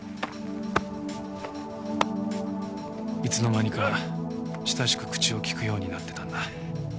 いつの間にか親しく口を利くようになってたんだ。